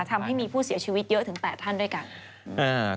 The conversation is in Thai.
ทำให้มีผู้เสียชีวิตเยอะถึง๘ท่านด้วยกัน